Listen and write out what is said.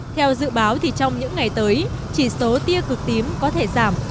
theo dự báo thì trong những ngày tới chỉ số tia cực tím có thể giảm